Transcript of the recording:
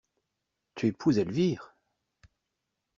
Tu épouses Elvire!